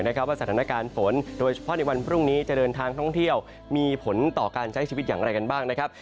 ว่าสถานการณ์ฝนโดยเฉพาะในวันพรุ่งนี้จะเดินทางท่องเที่ยวมีผลต่อการใช้ชีวิตอย่างไรกันบ้างนะครับ